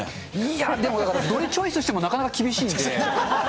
いや、でも、だから、どれチョイスしてもなかなか厳しいんで。